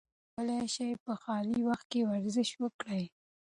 تاسي کولای شئ په خالي وخت کې ورزش وکړئ.